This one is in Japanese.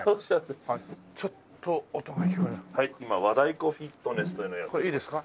今和太鼓フィットネスというのをやっています。